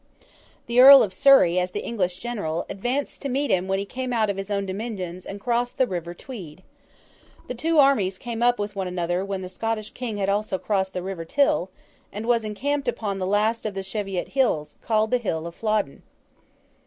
The Earl of Surrey, as the English general, advanced to meet him when he came out of his own dominions and crossed the river Tweed. The two armies came up with one another when the Scottish King had also crossed the river Till, and was encamped upon the last of the Cheviot Hills, called the Hill of Flodden.